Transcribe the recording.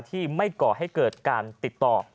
ที่ไม่ก่อให้เกิดการติดต่อ